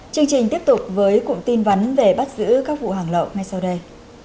chương trình tiếp tục với cùng tin vấn về bắt giữ các vụ hàng lậu ngay sau đây